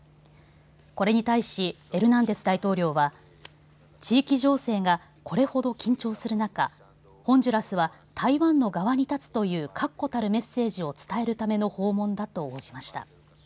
これに対しエルナンデス大統領は地域情勢が、これほど緊張する中ホンジュラスは台湾の側に立つという確固たるメッセージを伝えるための訪問だと応じました。